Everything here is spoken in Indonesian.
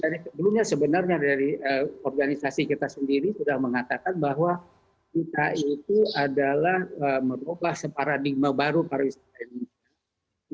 karena sebelumnya sebenarnya dari organisasi kita sendiri sudah mengatakan bahwa dki itu adalah merubah separadigma baru pariwisata indonesia